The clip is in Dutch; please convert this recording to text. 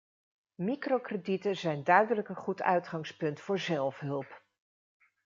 Microkredieten zijn duidelijk een goed uitgangspunt voor zelfhulp.